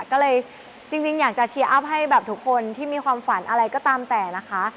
ก็เลยจริงอยากจะเชียร์อัพให้แบบทุกคนที่มีความฝันอะไรก็ตามแต่นะคะ